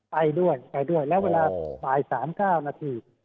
ไปด้วยไปด้วยแล้วเวลาบ่ายสามเก้าหน้าที